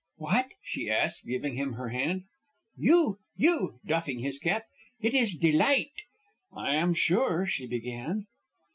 "What?" she asked, giving him her hand. "You! You!" doffing his cap. "It is a delight!" "I am sure " she began.